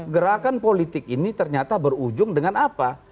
gerakan politik ini ternyata berujung dengan apa